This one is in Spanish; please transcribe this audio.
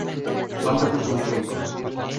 Planta cosmopolita.